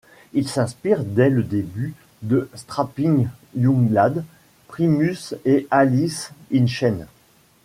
Il s'inspire dès le début de Strapping Young Lad, Primus et Alice in Chains.